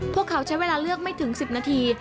พวกเขาใช้เวลาเลือกไม่ถึง๑๐นาที